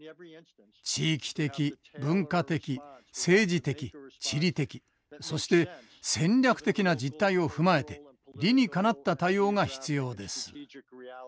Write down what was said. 地域的文化的政治的地理的そして戦略的な実態を踏まえて理にかなった対応が必要です。